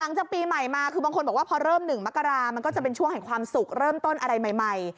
หลังจากปีใหม่มาคือบางคนบอกว่าพอเริ่ม๑มกรามันก็จะเป็นช่วงแห่งความสุขเริ่มต้นอะไรใหม่